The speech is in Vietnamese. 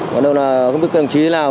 còn đâu là không biết cơ đồng chí thế nào